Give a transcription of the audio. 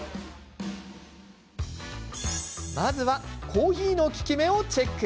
まずはコーヒーの効き目をチェック。